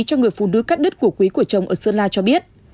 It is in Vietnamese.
cho người phụ nữ cắt đứt của quý của chồng ở sơn la cho biết